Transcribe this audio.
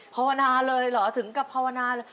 ภาวนาเลยเหรอถึงกับภาวนาเลย